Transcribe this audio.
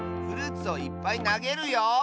フルーツをいっぱいなげるよ。